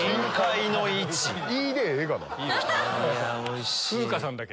胃でええがな。